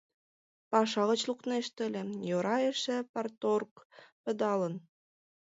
Паша гыч лукнешт ыле, йӧра эше парторг пыдалын.